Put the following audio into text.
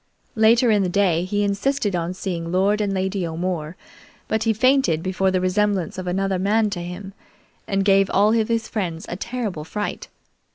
Later in the day he insisted on seeing Lord and Lady O'More, but he fainted before the resemblance of another man to him, and gave all of his friends a terrible fright.